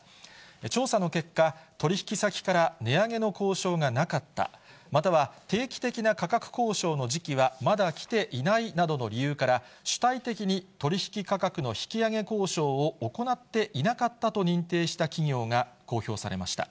調査の結果、取り引き先から値上げの交渉がなかった、または定期的な価格交渉の時期はまだきていないなどの理由から、主体的に取り引き価格の引き上げ交渉を行っていなかったと認定した企業が公表されました。